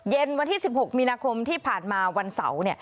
วันที่๑๖มีนาคมที่ผ่านมาวันเสาร์